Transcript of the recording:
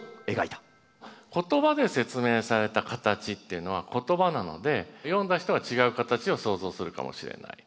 言葉で説明された形っていうのは言葉なので読んだ人は違う形を想像するかもしれない。